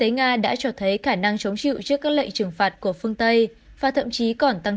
nga đã cho thấy khả năng chống chịu trước các lệnh trừng phạt của phương tây và thậm chí còn tăng